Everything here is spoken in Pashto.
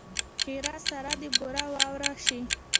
ښېرا؛ سار دې بوره وراره شي!